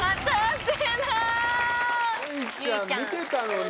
結実ちゃん、見てたのに。